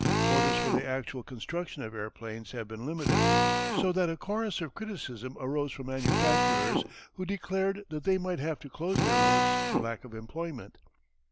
Orders for the actual construction of airplanes have been limited, so that a chorus of criticism arose from manufacturers who declared that they might have to close their works for lack of employment.